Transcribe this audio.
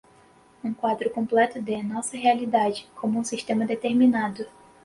um quadro completo de, nossa realidade, como um sistema determinado